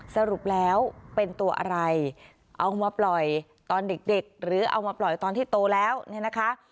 สรุปแล้วเป็นตัวอะไรเอามาปล่อยตอนเด็กเด็กหรือเอามาปล่อยตอนที่โตแล้วเนี่ยนะคะ